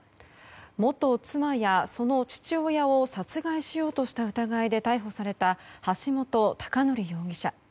元妻やその父親を殺害しようとした疑いで逮捕された橋本崇載容疑者。